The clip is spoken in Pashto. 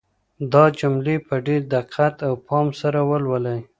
دا جملې په ډېر دقت او پام سره ولولئ.